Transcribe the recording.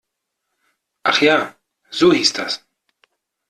Ach ja, so hieß das.